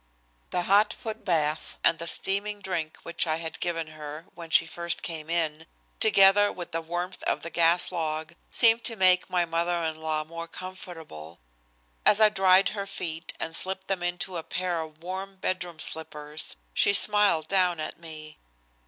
The hot footbath and the steaming drink which I had given her when she first came in, together with the warmth of the gas log seemed to make my mother in law more comfortable. As I dried her feet and slipped them into a pair of warm bedroom slippers she smiled down at me.